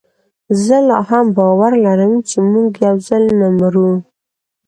زه لا هم باور لرم چي موږ یوځل نه مرو